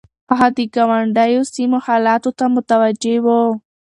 هغه د ګاونډيو سيمو حالاتو ته متوجه و.